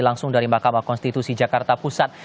langsung dari mahkamah konstitusi jakarta pusat